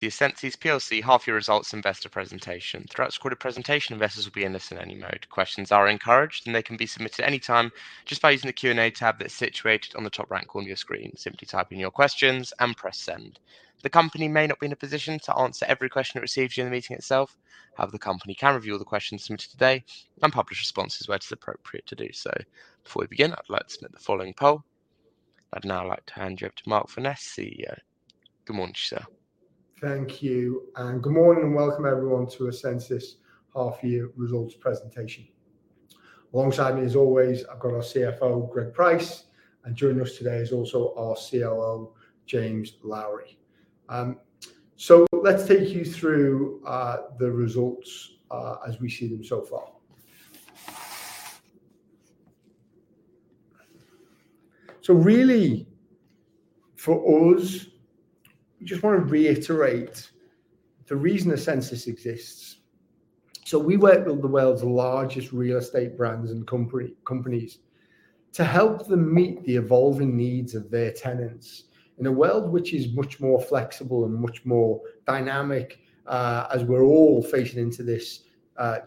The essensys half-year results investor presentation. Throughout the recorded presentation, investors will be in listen-only mode. Questions are encouraged, and they can be submitted anytime just by using the Q&A tab that's situated on the top right corner of your screen. Simply type in your questions and press send. The company may not be in a position to answer every question it receives during the meeting itself. However, the company can review all the questions submitted today and publish responses where it is appropriate to do so. Before we begin, I'd like to submit the following poll. I'd now like to hand you over to Mark Furness, CEO. Good morning to you, sir. Thank you. Good morning and welcome, everyone, to essensys' half-year results presentation. Alongside me, as always, I've got our CFO, Greg Price, and joining us today is also our CLO, James Lowery. Let's take you through the results as we see them so far. Really, for us, we just want to reiterate the reason essensys exists. We work with the world's largest real estate brands and companies to help them meet the evolving needs of their tenants in a world which is much more flexible and much more dynamic as we're all facing into this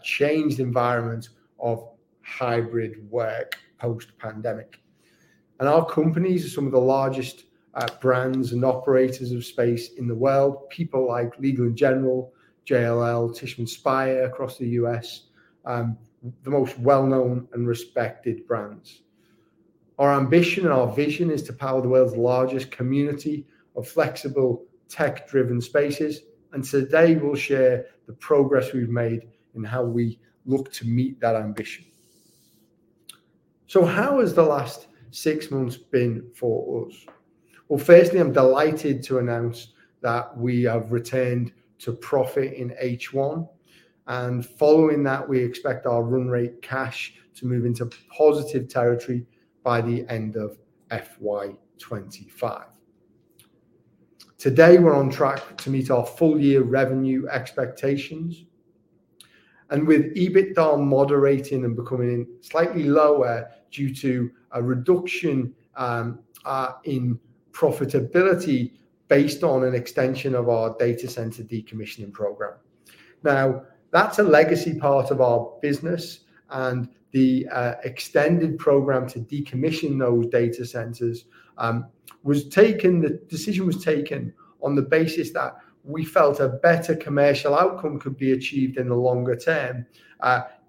changed environment of hybrid work post-pandemic. Our companies are some of the largest brands and operators of space in the world, people like Legal & General, JLL, Tishman Speyer across the U.S., the most well-known and respected brands. Our ambition and our vision is to power the world's largest community of flexible tech-driven spaces, and today we'll share the progress we've made and how we look to meet that ambition. How has the last six months been for us? Firstly, I'm delighted to announce that we have returned to profit in H1, and following that, we expect our run rate cash to move into positive territory by the end of FY2025. Today, we're on track to meet our full-year revenue expectations, with EBITDA moderating and becoming slightly lower due to a reduction in profitability based on an extension of our data center decommissioning program. Now, that's a legacy part of our business, and the extended program to decommission those data centers was taken. The decision was taken on the basis that we felt a better commercial outcome could be achieved in the longer term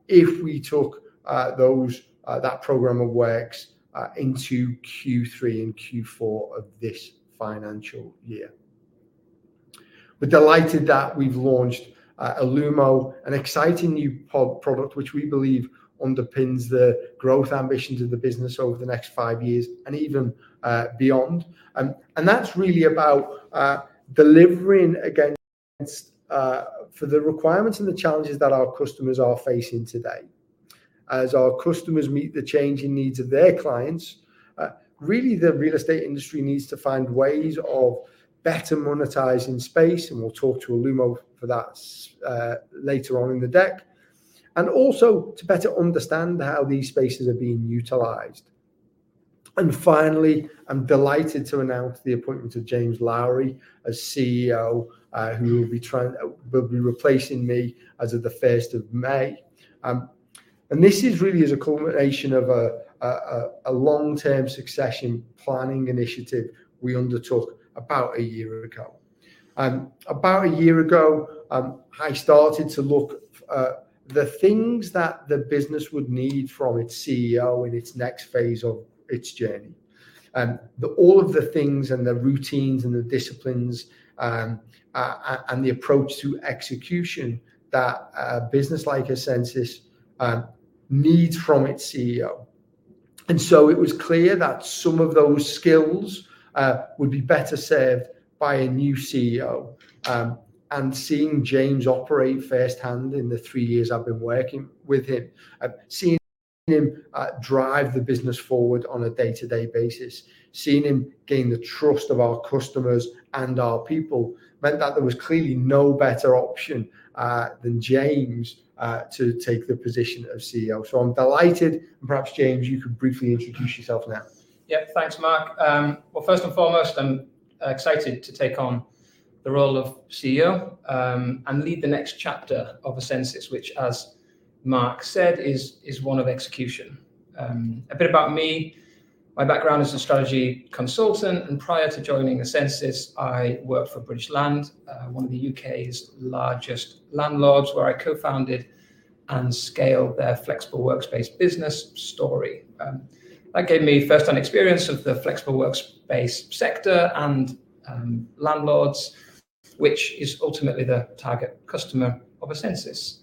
if we took that program of works into Q3 and Q4 of this financial year. We're delighted that we've launched Elumo, an exciting new product which we believe underpins the growth ambitions of the business over the next five years and even beyond. That's really about delivering for the requirements and the challenges that our customers are facing today. As our customers meet the changing needs of their clients, really, the real estate industry needs to find ways of better monetizing space, and we'll talk to Elumo for that later on in the deck, and also to better understand how these spaces are being utilized. Finally, I'm delighted to announce the appointment of James Lowery as CEO, who will be replacing me as of the 1st of May. This is really a culmination of a long-term succession planning initiative we undertook about a year ago. About a year ago, I started to look at the things that the business would need from its CEO in its next phase of its journey, all of the things and the routines and the disciplines and the approach to execution that a business like essensys needs from its CEO. It was clear that some of those skills would be better served by a new CEO. Seeing James operate firsthand in the three years I've been working with him, seeing him drive the business forward on a day-to-day basis, seeing him gain the trust of our customers and our people meant that there was clearly no better option than James to take the position of CEO. I'm delighted. Perhaps, James, you could briefly introduce yourself now. Yeah, thanks, Mark. First and foremost, I'm excited to take on the role of CEO and lead the next chapter of essensys, which, as Mark said, is one of execution. A bit about me: my background is a strategy consultant, and prior to joining essensys, I worked for British Land, one of the U.K.'s largest landlords, where I co-founded and scaled their flexible workspace business storey. That gave me first-hand experience of the flexible workspace sector and landlords, which is ultimately the target customer of essensys.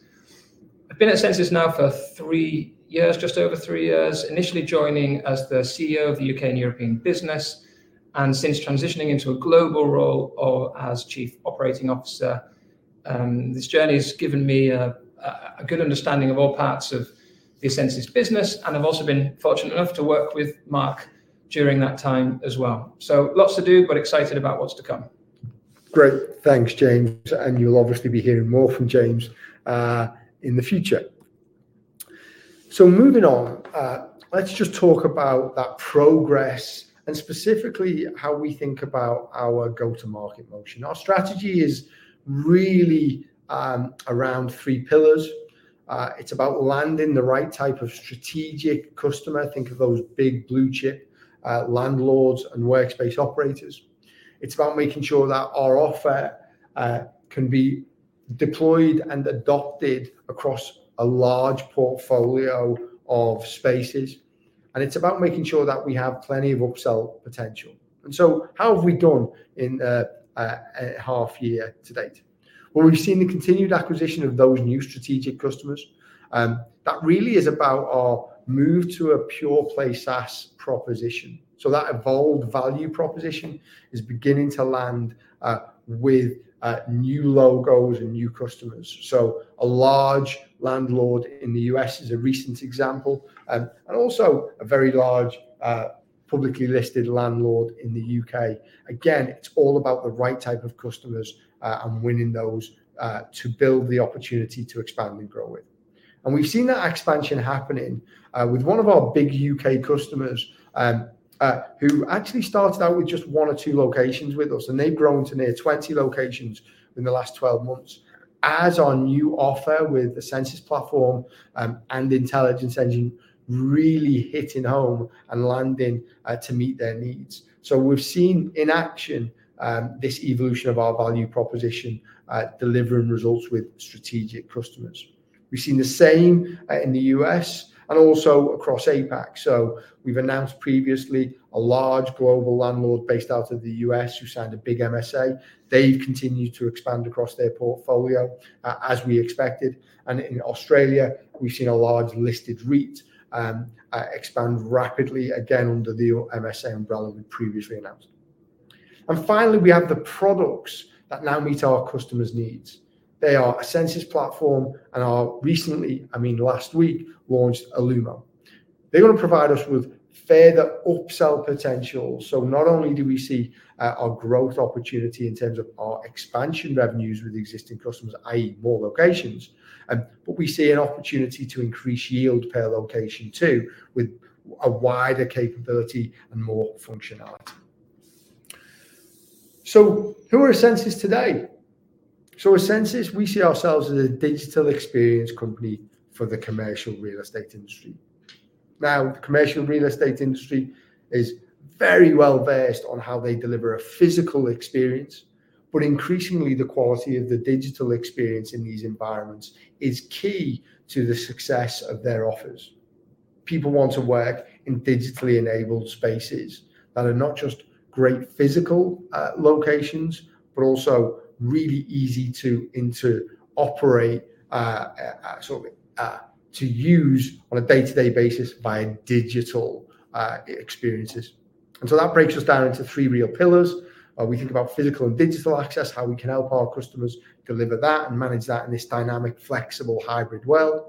I've been at essensys now for three years, just over three years, initially joining as the CEO of the U.K. and European business, and since transitioning into a global role as Chief Operating Officer. This journey has given me a good understanding of all parts of the essensys business, and I've also been fortunate enough to work with Mark during that time as well. Lots to do, but excited about what's to come. Great. Thanks, James. You'll obviously be hearing more from James in the future. Moving on, let's just talk about that progress and specifically how we think about our go-to-market motion. Our strategy is really around three pillars. It's about landing the right type of strategic customer. Think of those big blue-chip landlords and workspace operators. It's about making sure that our offer can be deployed and adopted across a large portfolio of spaces. It's about making sure that we have plenty of upsell potential. How have we done in the half year to date? We've seen the continued acquisition of those new strategic customers. That really is about our move to a pure-play SaaS proposition. That evolved value proposition is beginning to land with new logos and new customers. A large landlord in the U.S. is a recent example, and also a very large publicly listed landlord in the U.K. Again, it's all about the right type of customers and winning those to build the opportunity to expand and grow with. We've seen that expansion happening with one of our big U.K. customers who actually started out with just one or two locations with us, and they've grown to near 20 locations in the last 12 months as our new offer with the essensys Platform and the Intelligence Engine really hitting home and landing to meet their needs. We've seen in action this evolution of our value proposition delivering results with strategic customers. We've seen the same in the U.S. and also across APAC. We've announced previously a large global landlord based out of the U.S. who signed a big MSA. They've continued to expand across their portfolio as we expected. In Australia, we've seen a large listed REIT expand rapidly again under the MSA umbrella we previously announced. Finally, we have the products that now meet our customers' needs. They are essensys platform and, recently, I mean, last week, launched Elumo. They're going to provide us with further upsell potential. Not only do we see our growth opportunity in terms of our expansion revenues with existing customers, i.e., more locations, but we see an opportunity to increase yield per location too with a wider capability and more functionality. Who are essensys today? Essensys, we see ourselves as a digital experience company for the commercial real estate industry. Now, the commercial real estate industry is very well-versed on how they deliver a physical experience, but increasingly, the quality of the digital experience in these environments is key to the success of their offers. People want to work in digitally enabled spaces that are not just great physical locations, but also really easy to operate, sort of to use on a day-to-day basis via digital experiences. That breaks us down into three real pillars. We think about physical and digital access, how we can help our customers deliver that and manage that in this dynamic, flexible, hybrid world.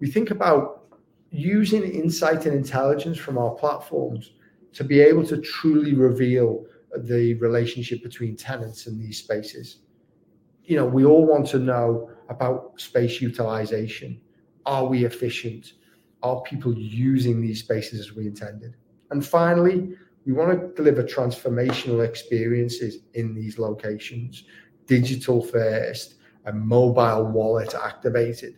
We think about using insight and intelligence from our platforms to be able to truly reveal the relationship between tenants and these spaces. We all want to know about space utilization. Are we efficient? Are people using these spaces as we intended? Finally, we want to deliver transformational experiences in these locations, digital-first and mobile-wallet activated.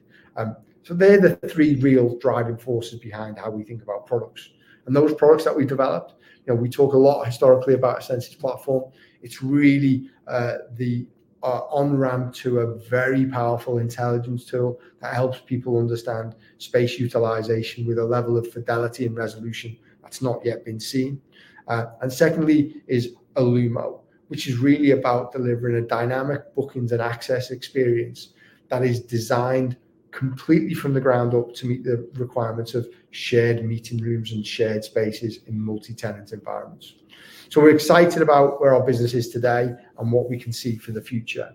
Those are the three real driving forces behind how we think about products. Those products that we've developed, we talk a lot historically about essensys Platform. It's really the on-ramp to a very powerful intelligence tool that helps people understand space utilization with a level of fidelity and resolution that's not yet been seen. Secondly is Elumo, which is really about delivering a dynamic bookings and access experience that is designed completely from the ground up to meet the requirements of shared meeting rooms and shared spaces in multi-tenant environments. We're excited about where our business is today and what we can see for the future.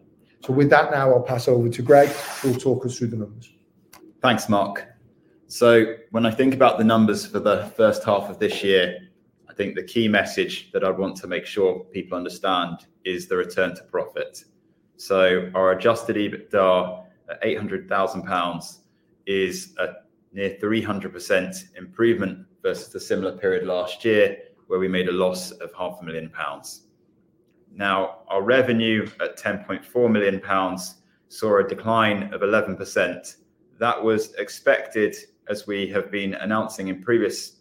With that, now I'll pass over to Greg, who will talk us through the numbers. Thanks, Mark. When I think about the numbers for the first half of this year, I think the key message that I'd want to make sure people understand is the return to profit. Our adjusted EBITDA at 800,000 pounds is a near 300% improvement versus the similar period last year where we made a loss of 500,000 pounds. Our revenue at 10.4 million pounds saw a decline of 11%. That was expected, as we have been announcing in previous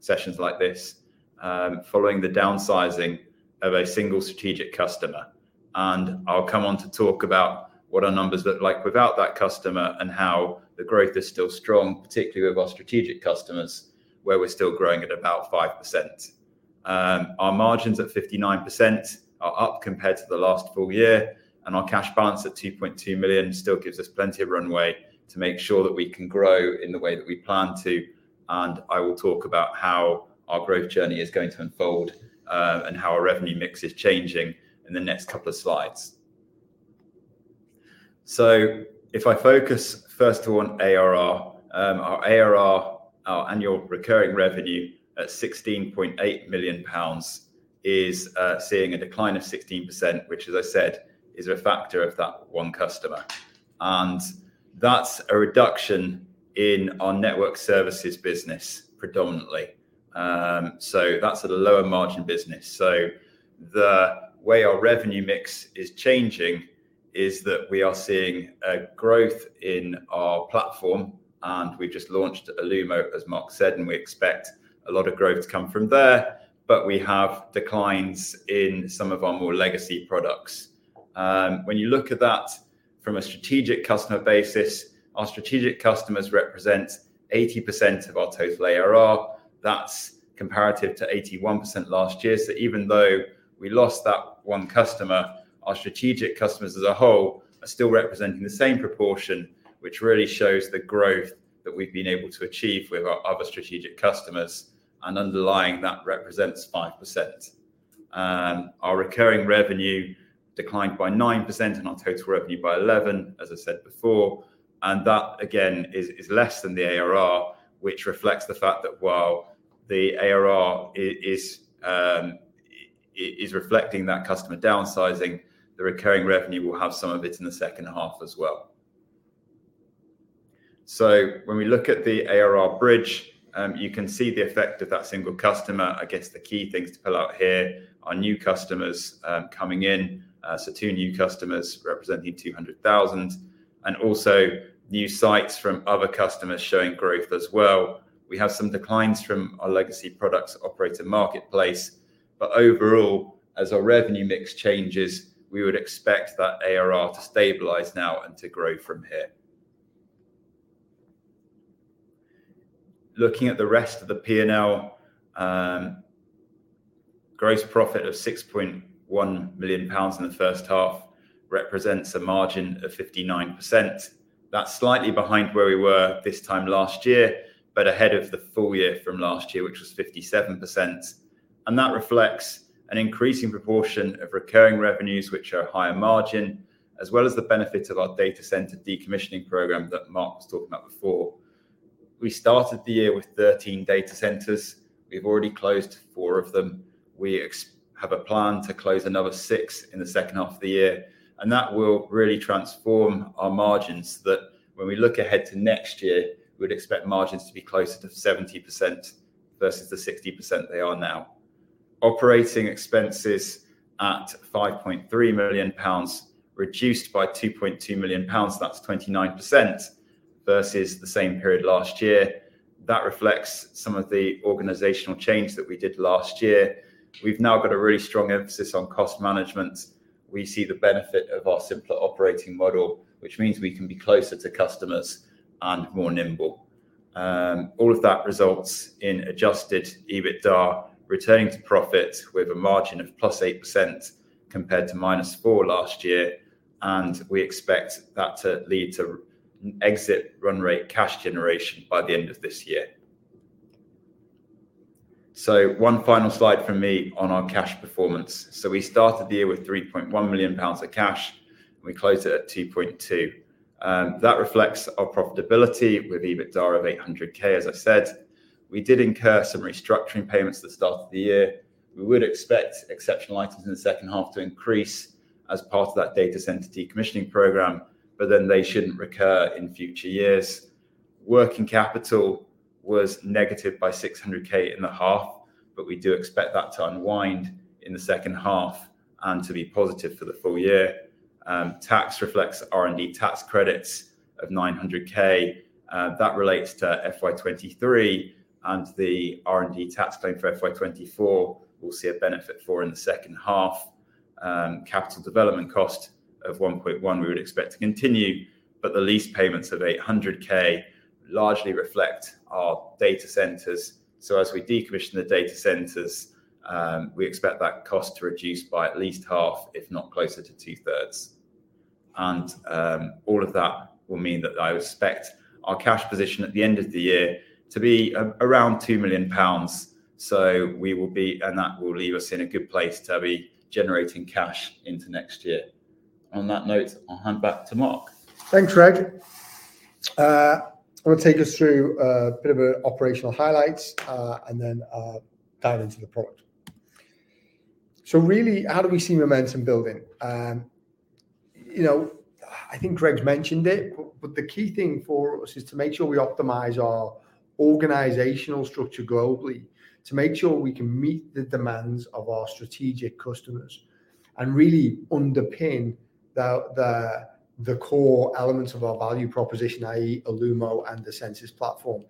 sessions like this, following the downsizing of a single strategic customer. I'll come on to talk about what our numbers look like without that customer and how the growth is still strong, particularly with our strategic customers, where we're still growing at about 5%. Our margins at 59% are up compared to the last full year, and our cash balance at 2.2 million still gives us plenty of runway to make sure that we can grow in the way that we plan to. I will talk about how our growth journey is going to unfold and how our revenue mix is changing in the next couple of slides. If I focus first on ARR, our ARR, our annual recurring revenue at 16.8 million pounds is seeing a decline of 16%, which, as I said, is a factor of that one customer. That is a reduction in our network services business predominantly. That is a lower-margin business. The way our revenue mix is changing is that we are seeing growth in our platform, and we've just launched Elumo, as Mark said, and we expect a lot of growth to come from there, but we have declines in some of our more legacy products. When you look at that from a strategic customer basis, our strategic customers represent 80% of our total ARR. That's comparative to 81% last year. Even though we lost that one customer, our strategic customers as a whole are still representing the same proportion, which really shows the growth that we've been able to achieve with our other strategic customers. Underlying that represents 5%. Our recurring revenue declined by 9% and our total revenue by 11%, as I said before. That, again, is less than the ARR, which reflects the fact that while the ARR is reflecting that customer downsizing, the recurring revenue will have some of it in the second half as well. When we look at the ARR bridge, you can see the effect of that single customer. I guess the key things to pull out here are new customers coming in, so two new customers representing 200,000, and also new sites from other customers showing growth as well. We have some declines from our legacy products operating marketplace. Overall, as our revenue mix changes, we would expect that ARR to stabilize now and to grow from here. Looking at the rest of the P&L, gross profit of 6.1 million pounds in the first half represents a margin of 59%. That's slightly behind where we were this time last year, but ahead of the full year from last year, which was 57%. That reflects an increasing proportion of recurring revenues, which are higher margin, as well as the benefit of our data center decommissioning program that Mark was talking about before. We started the year with 13 data centers. We've already closed four of them. We have a plan to close another six in the second half of the year. That will really transform our margins so that when we look ahead to next year, we would expect margins to be closer to 70% versus the 60% they are now. Operating expenses at 5.3 million pounds, reduced by 2.2 million pounds. That's 29% versus the same period last year. That reflects some of the organizational change that we did last year. We've now got a really strong emphasis on cost management. We see the benefit of our simpler operating model, which means we can be closer to customers and more nimble. All of that results in adjusted EBITDA returning to profit with a margin of +8% compared to -4% last year. We expect that to lead to exit run rate cash generation by the end of this year. One final slide from me on our cash performance. We started the year with 3.1 million pounds of cash, and we closed it at 2.2 million. That reflects our profitability with EBITDA of 800,000, as I said. We did incur some restructuring payments at the start of the year. We would expect exceptional items in the second half to increase as part of that data center decommissioning program, but then they shouldn't recur in future years. Working capital was negative by 600,000 in the half, but we do expect that to unwind in the second half and to be positive for the full year. Tax reflects R&D tax credits of 900,000. That relates to FY 2023 and the R&D tax claim for FY 2024. We'll see a benefit for in the second half. Capital development cost of 1.1 million we would expect to continue, but the lease payments of 800,000 largely reflect our data centers. As we decommission the data centers, we expect that cost to reduce by at least half, if not closer to two-thirds. All of that will mean that I expect our cash position at the end of the year to be around 2 million pounds. We will be, and that will leave us in a good place to be generating cash into next year. On that note, I'll hand back to Mark. Thanks, Greg. I'll take us through a bit of an operational highlights and then dive into the product. Really, how do we see momentum building? I think Greg's mentioned it, but the key thing for us is to make sure we optimize our organizational structure globally to make sure we can meet the demands of our strategic customers and really underpin the core elements of our value proposition, i.e., Elumo and the essensys Platform.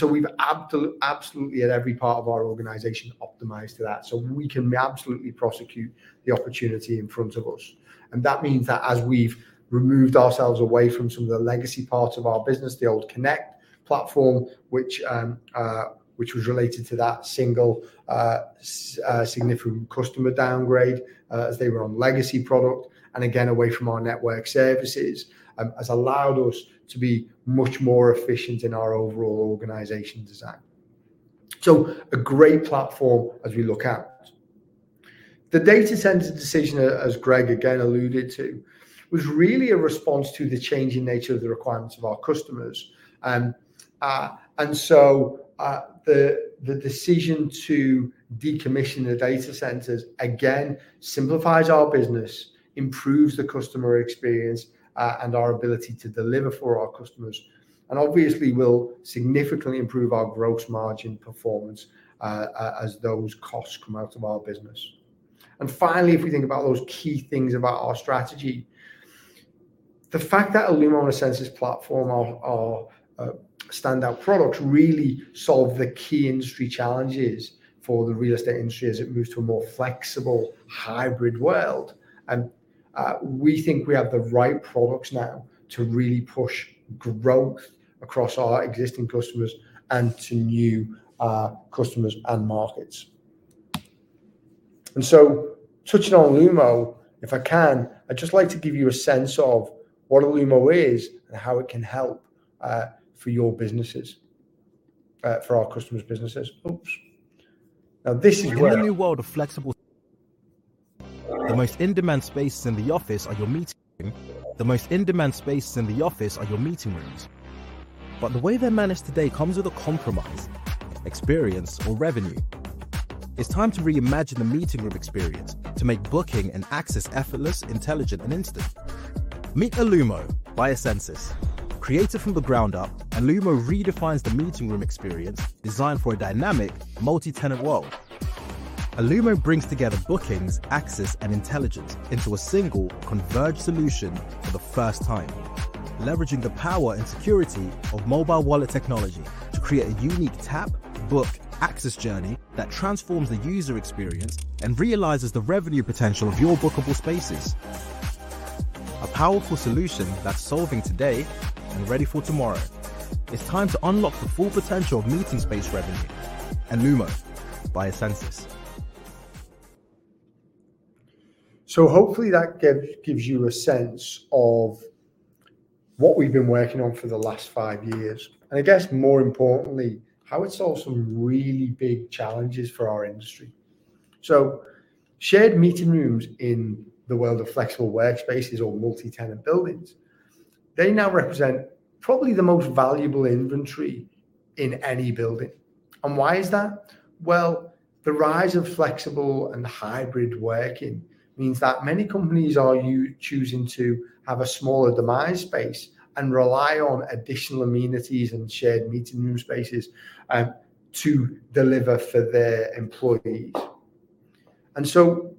We have absolutely at every part of our organization optimized to that so we can absolutely prosecute the opportunity in front of us. That means that as we've removed ourselves away from some of the legacy parts of our business, the old Connect platform, which was related to that single significant customer downgrade as they were on legacy product and again, away from our network services, has allowed us to be much more efficient in our overall organization design. A great platform as we look out. The data center decision, as Greg again alluded to, was really a response to the changing nature of the requirements of our customers. The decision to decommission the data centers again simplifies our business, improves the customer experience, and our ability to deliver for our customers. Obviously, we'll significantly improve our gross margin performance as those costs come out of our business. Finally, if we think about those key things about our strategy, the fact that Elumo and essensys Platform are standout products really solves the key industry challenges for the real estate industry as it moves to a more flexible hybrid world. We think we have the right products now to really push growth across our existing customers and to new customers and markets. Touching on Elumo, if I can, I'd just like to give you a sense of what Elumo is and how it can help for your businesses, for our customers' businesses. Now, this is where in the new world of flexible the most in-demand spaces in the office are your meeting rooms. The most in-demand spaces in the office are your meeting rooms. The way they're managed today comes with a compromise: experience or revenue. It's time to reimagine the meeting room experience to make booking and access effortless, intelligent, and instant. Meet Elumo by essensys. Created from the ground up, Elumo redefines the meeting room experience designed for a dynamic, multi-tenant world. Elumo brings together bookings, access, and intelligence into a single converged solution for the first time, leveraging the power and security of mobile-wallet technology to create a unique tap, book, access journey that transforms the user experience and realizes the revenue potential of your bookable spaces. A powerful solution that's solving today and ready for tomorrow. It's time to unlock the full potential of meeting space revenue. Elumo by essensys. Hopefully that gives you a sense of what we've been working on for the last five years. I guess more importantly, how it solves some really big challenges for our industry. Shared meeting rooms in the world of flexible workspaces or multi-tenant buildings now represent probably the most valuable inventory in any building. Why is that? The rise of flexible and hybrid working means that many companies are choosing to have a smaller demised space and rely on additional amenities and shared meeting room spaces to deliver for their employees.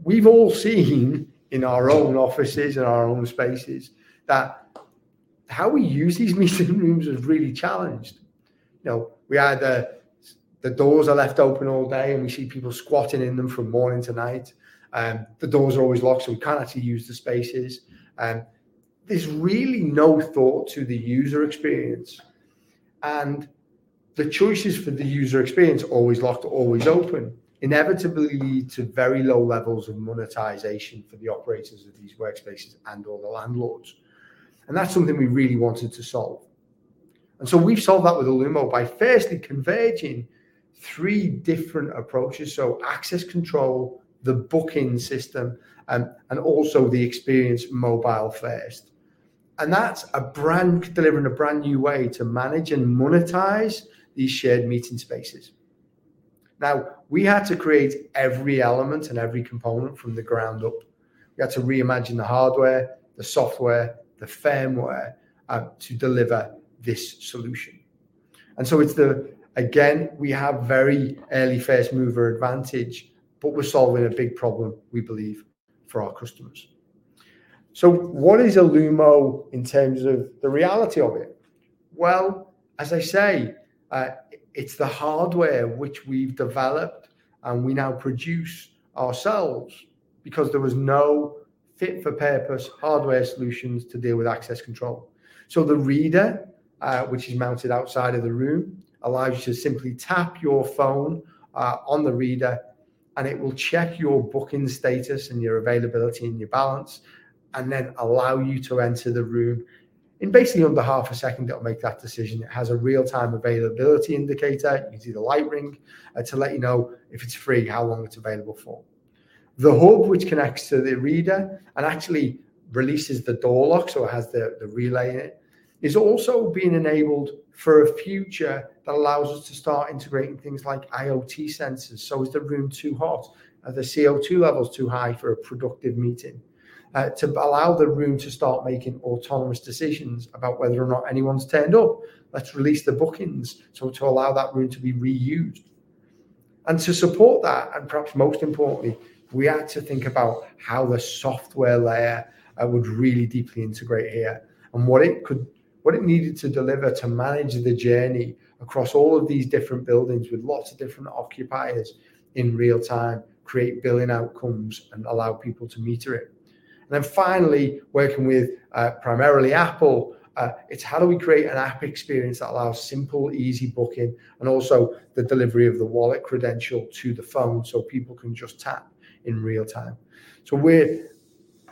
We've all seen in our own offices and our own spaces that how we use these meeting rooms is really challenged. Either the doors are left open all day, and we see people squatting in them from morning to night. The doors are always locked, so we can't actually use the spaces. There's really no thought to the user experience. The choices for the user experience are always locked, always open, inevitably lead to very low levels of monetization for the operators of these workspaces and/or the landlords. That's something we really wanted to solve. We've solved that with Elumo by firstly converging three different approaches: access control, the booking system, and also the experience mobile-first. That's delivering a brand new way to manage and monetize these shared meeting spaces. We had to create every element and every component from the ground up. We had to reimagine the hardware, the software, the firmware to deliver this solution. Again, we have very early first-mover advantage, but we're solving a big problem, we believe, for our customers. What is Elumo in terms of the reality of it? As I say, it's the hardware which we've developed, and we now produce ourselves because there was no fit-for-purpose hardware solutions to deal with access control. The reader, which is mounted outside of the room, allows you to simply tap your phone on the reader, and it will check your booking status and your availability and your balance, and then allow you to enter the room. In basically under half a second, it'll make that decision. It has a real-time availability indicator. You can see the light ring to let you know if it's free, how long it's available for. The hub, which connects to the reader and actually releases the door lock, so it has the relay in it, is also being enabled for a future that allows us to start integrating things like IoT sensors. Is the room too hot? Are the CO2 levels too high for a productive meeting? To allow the room to start making autonomous decisions about whether or not anyone's turned up, let's release the bookings to allow that room to be reused. To support that, and perhaps most importantly, we had to think about how the software layer would really deeply integrate here and what it needed to deliver to manage the journey across all of these different buildings with lots of different occupiers in real time, create billing outcomes, and allow people to meter it. Finally, working with primarily Apple, it's how do we create an app experience that allows simple, easy booking and also the delivery of the wallet credential to the phone so people can just tap in real time. We're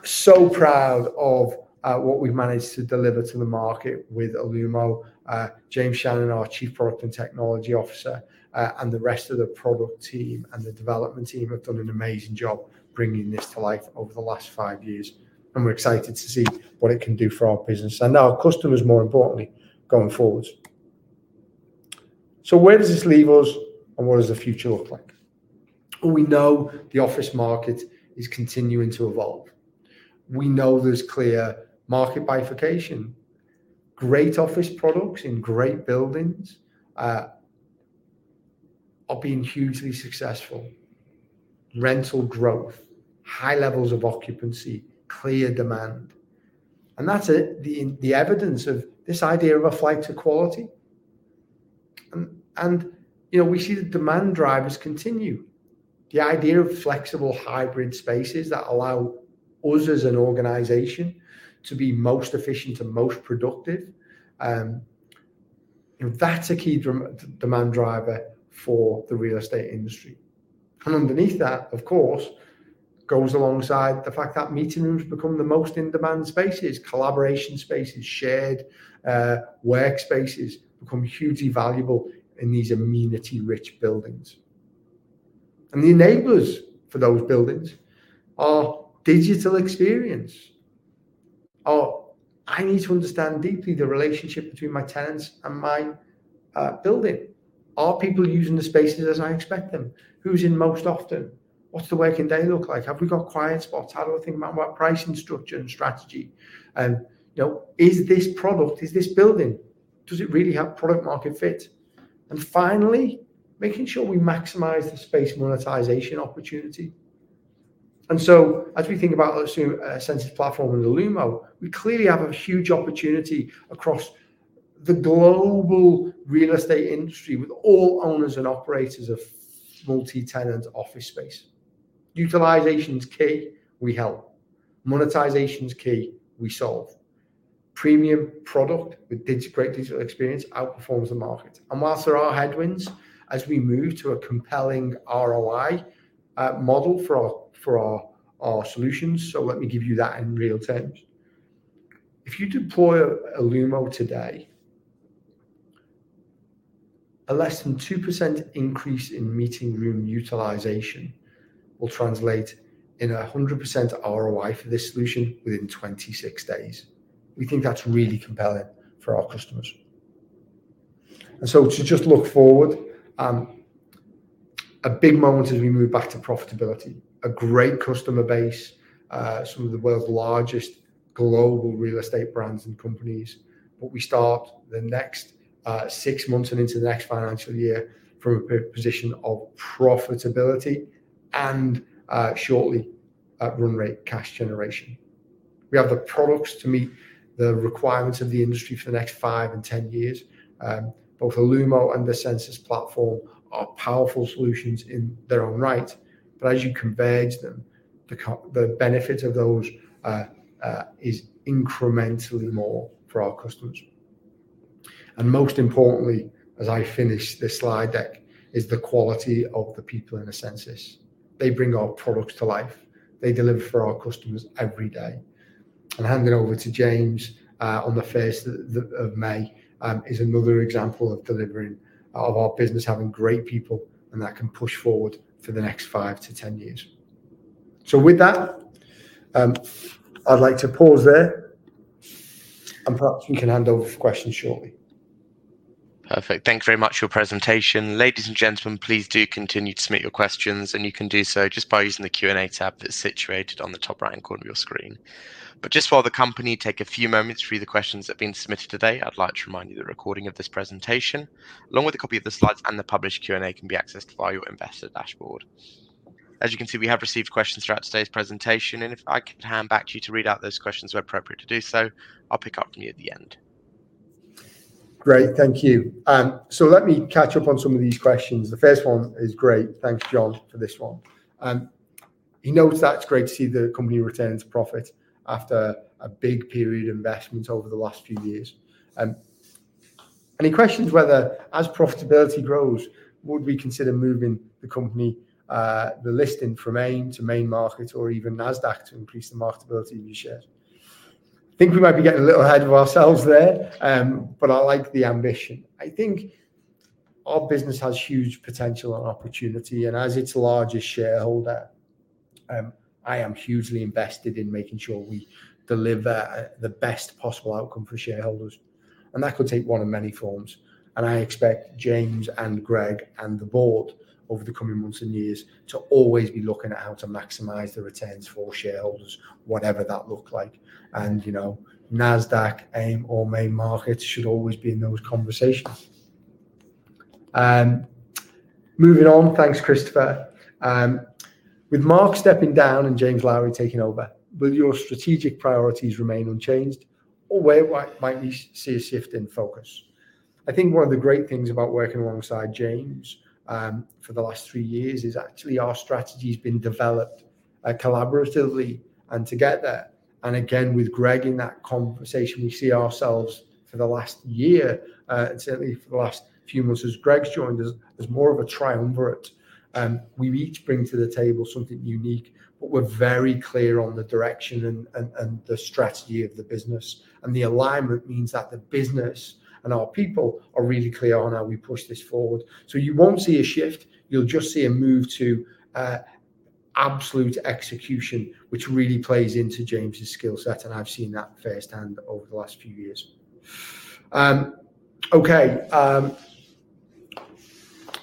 so proud of what we've managed to deliver to the market with Elumo. James Shannon, our Chief Product and Technology Officer, and the rest of the product team and the development team have done an amazing job bringing this to life over the last five years. We're excited to see what it can do for our business and our customers, more importantly, going forwards. Where does this leave us, and what does the future look like? We know the office market is continuing to evolve. We know there's clear market bifurcation. Great office products in great buildings are being hugely successful. Rental growth, high levels of occupancy, clear demand. That's the evidence of this idea of a flight to quality. We see the demand drivers continue. The idea of flexible hybrid spaces that allow us as an organization to be most efficient and most productive, that's a key demand driver for the real estate industry. Underneath that, of course, goes alongside the fact that meeting rooms become the most in-demand spaces, collaboration spaces, shared workspaces become hugely valuable in these amenity-rich buildings. The enablers for those buildings are digital experience. I need to understand deeply the relationship between my tenants and my building. Are people using the spaces as I expect them? Who's in most often? What's the working day look like? Have we got quiet spots? How do I think about pricing structure and strategy? Is this product, is this building, does it really have product-market fit? Finally, making sure we maximize the space monetization opportunity. As we think about essensys Platform and Elumo, we clearly have a huge opportunity across the global real estate industry with all owners and operators of multi-tenant office space. Utilization is key, we help. Monetization is key, we solve. Premium product with great digital experience outperforms the market. Whilst there are headwinds as we move to a compelling ROI model for our solutions, let me give you that in real terms. If you deploy Elumo today, a less than 2% increase in meeting room utilization will translate in a 100% ROI for this solution within 26 days. We think that's really compelling for our customers. To just look forward, a big moment as we move back to profitability, a great customer base, some of the world's largest global real estate brands and companies, we start the next six months and into the next financial year from a position of profitability and shortly run rate cash generation. We have the products to meet the requirements of the industry for the next five and ten years. Both Elumo and the essensys Platform are powerful solutions in their own right. As you converge them, the benefit of those is incrementally more for our customers. Most importantly, as I finish this slide deck, is the quality of the people in essensys. They bring our products to life. They deliver for our customers every day. Handing over to James on the 1st of May is another example of delivering of our business having great people and that can push forward for the next five to ten years. With that, I'd like to pause there. Perhaps we can hand over for questions shortly. Perfect. Thank you very much for your presentation. Ladies and gentlemen, please do continue to submit your questions, and you can do so just by using the Q&A tab that is situated on the top right-hand corner of your screen. Just while the company takes a few moments to read the questions that have been submitted today, I would like to remind you the recording of this presentation, along with a copy of the slides and the published Q&A, can be accessed via your investor dashboard. As you can see, we have received questions throughout today's presentation. If I could hand back to you to read out those questions where appropriate to do so, I will pick up from you at the end. Great. Thank you. Let me catch up on some of these questions. The first one is great. Thanks, John, for this one. He notes that it's great to see the company return to profit after a big period of investment over the last few years. He questions whether, as profitability grows, would we consider moving the company, the listing from AIM to Main Market or even Nasdaq to increase the marketability of your shares? I think we might be getting a little ahead of ourselves there, but I like the ambition. I think our business has huge potential and opportunity. As its largest shareholder, I am hugely invested in making sure we deliver the best possible outcome for shareholders. That could take one of many forms. I expect James and Greg and the board over the coming months and years to always be looking at how to maximize the returns for shareholders, whatever that looks like. Nasdaq, AIM, or Main Market should always be in those conversations. Moving on, thanks, Christopher. With Mark stepping down and James Lowery taking over, will your strategic priorities remain unchanged, or where might we see a shift in focus? I think one of the great things about working alongside James for the last three years is actually our strategy has been developed collaboratively and together. Again, with Greg in that conversation, we see ourselves for the last year, and certainly for the last few months as Greg's joined us, as more of a triumvirate. We each bring to the table something unique, but we're very clear on the direction and the strategy of the business. The alignment means that the business and our people are really clear on how we push this forward. You will not see a shift. You will just see a move to absolute execution, which really plays into James's skill set. I have seen that firsthand over the last few years. Okay.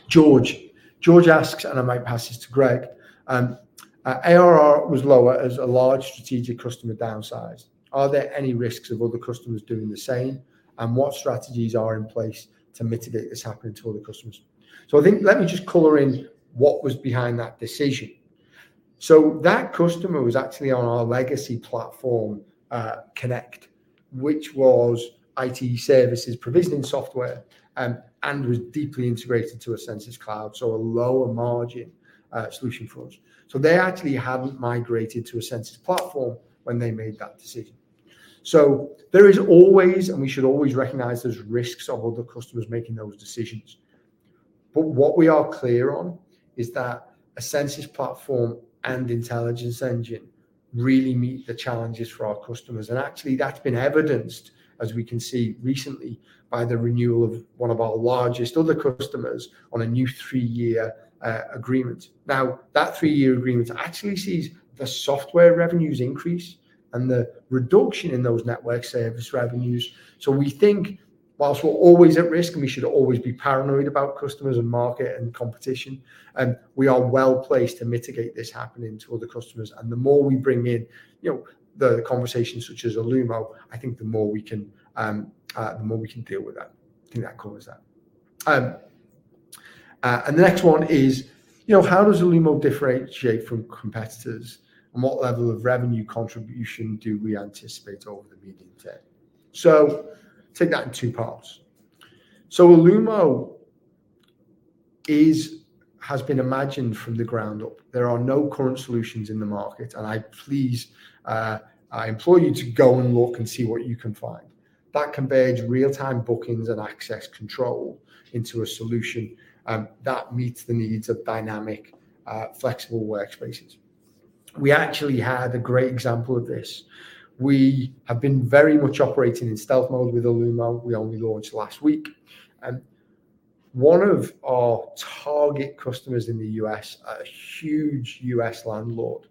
George asks, and I might pass this to Greg. ARR was lower as a large strategic customer downsized. Are there any risks of other customers doing the same? What strategies are in place to mitigate this happening to other customers? I think let me just color in what was behind that decision. That customer was actually on our legacy platform, Connect, which was IT services provisioning software and was deeply integrated to essensys Cloud. A lower margin solution for us. They actually had not migrated to essensys Platform when they made that decision. There is always, and we should always recognize, there's risks of other customers making those decisions. What we are clear on is that essensys Platform and Intelligence Engine really meet the challenges for our customers. Actually, that's been evidenced, as we can see recently, by the renewal of one of our largest other customers on a new three-year agreement. That three-year agreement actually sees the software revenues increase and the reduction in those network service revenues. We think, whilst we're always at risk and we should always be paranoid about customers and market and competition, we are well placed to mitigate this happening to other customers. The more we bring in the conversations such as Elumo, I think the more we can deal with that. I think that covers that. The next one is, how does Elumo differentiate from competitors? What level of revenue contribution do we anticipate over the medium term? Take that in two parts. Elumo has been imagined from the ground up. There are no current solutions in the market. I please employ you to go and look and see what you can find that converges real-time bookings and access control into a solution that meets the needs of dynamic, flexible workspaces. We actually had a great example of this. We have been very much operating in stealth mode with Elumo. We only launched last week. One of our target customers in the US, a huge U.S. landlord,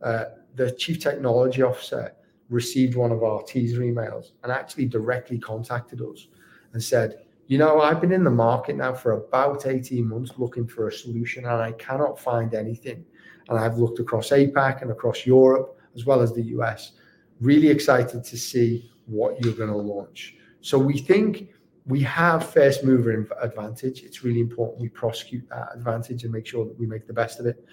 the Chief Technology Officer, received one of our teaser emails and actually directly contacted us and said, "I've been in the market now for about 18 months looking for a solution, and I cannot find anything. I've looked across APAC and across Europe as well as the U.S. Really excited to see what you're going to launch. We think we have first-mover advantage. It's really important we prosecute that advantage and make sure that we make the best of it.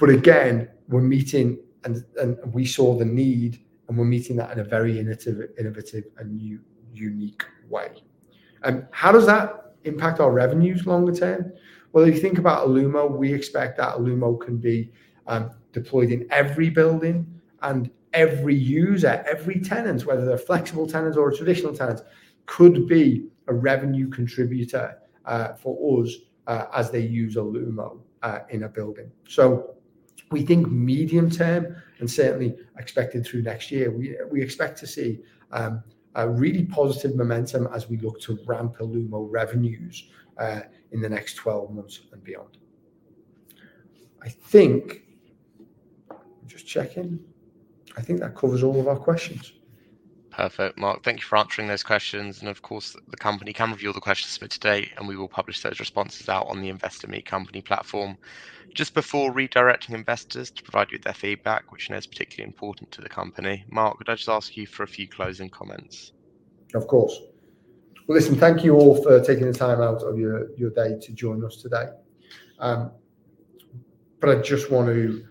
Again, we're meeting, and we saw the need, and we're meeting that in a very innovative and unique way. How does that impact our revenues longer term? If you think about Elumo, we expect that Elumo can be deployed in every building. Every user, every tenant, whether they're flexible tenants or traditional tenants, could be a revenue contributor for us as they use Elumo in a building. We think medium term and certainly expected through next year, we expect to see really positive momentum as we look to ramp Elumo revenues in the next 12 months and beyond. I think, just checking, I think that covers all of our questions. Perfect. Mark, thank you for answering those questions. Of course, the company can review all the questions for today, and we will publish those responses out on the Investor Meet Company platform. Just before redirecting investors to provide you with their feedback, which I know is particularly important to the company, Mark, would I just ask you for a few closing comments? Of course. Listen, thank you all for taking the time out of your day to join us today. I just want to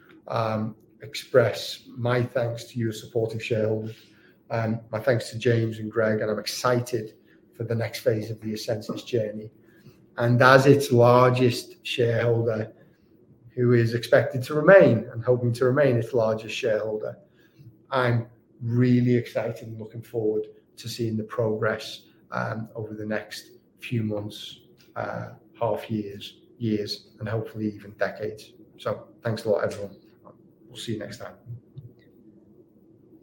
express my thanks to your supportive shareholders, my thanks to James and Greg, and I'm excited for the next phase of the essensys journey. As its largest shareholder, who is expected to remain and hoping to remain its largest shareholder, I'm really excited and looking forward to seeing the progress over the next few months, half years, years, and hopefully even decades. Thanks a lot, everyone. We'll see you next time.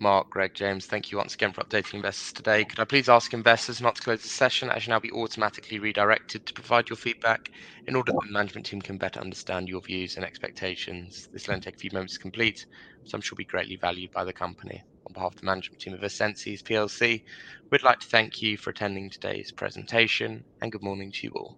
Mark, Greg, James, thank you once again for updating investors today. Could I please ask investors not to close the session as you will now be automatically redirected to provide your feedback in order that the management team can better understand your views and expectations? This will only take a few moments to complete, so I'm sure it will be greatly valued by the company. On behalf of the management team of essensys, we'd like to thank you for attending today's presentation. Good morning to you all.